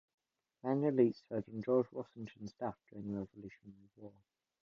Daniel Leet served on George Washington's staff during the Revolutionary War.